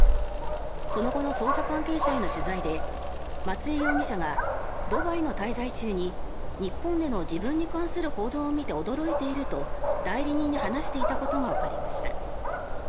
その後の捜査関係者への取材で松江容疑者がドバイの滞在中に日本での自分に関する報道を見て驚いていると代理人に話していたことがわかりました。